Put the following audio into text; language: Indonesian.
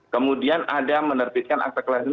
kemudian ada menerbitkan akte kelahiran